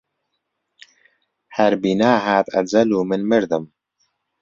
هەر بینا هات ئەجەل و من مردم